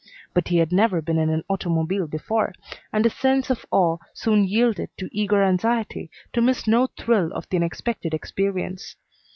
But he had never been in an automobile before, and his sense of awe soon yielded to eager anxiety to miss no thrill of the unexpected experience.